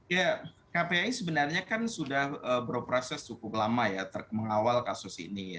ya kpi sebenarnya kan sudah beroperasi cukup lama ya mengawal kasus ini